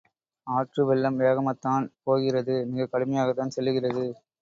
ஆற்று வெள்ளம் வேகமாகத்தான் போகிறது மிகக் கடுமையாகத்தான் செல்லுகிறது.